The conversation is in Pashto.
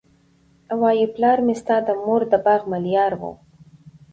وايي پلار مي ستا د مور د باغ ملیار وو